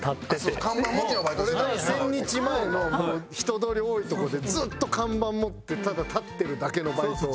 千日前の人通り多いとこでずっと看板持ってただ立ってるだけのバイト。